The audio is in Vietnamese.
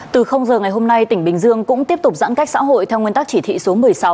từ giờ ngày hôm nay tỉnh bình dương cũng tiếp tục giãn cách xã hội theo nguyên tắc chỉ thị số một mươi sáu